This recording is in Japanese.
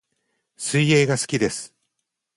水泳が好きです